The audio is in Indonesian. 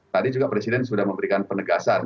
tadi juga presiden sudah memberikan penegasan